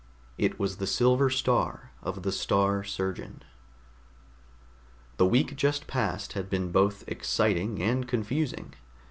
It was the silver star of the Star Surgeon. The week just past had been both exciting and confusing.